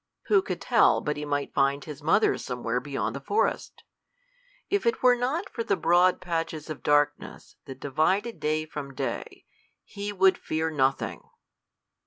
Who could tell but he might find his mother somewhere beyond the forest! If it were not for the broad patches of darkness that divided day from day, he would fear nothing!